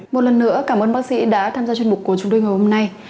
một lần nữa cảm ơn bác sĩ đã tham gia chương trình của chúng tôi ngày hôm nay